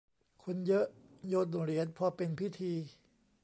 คนเยอะ โยนเหรียญพอเป็นพิธี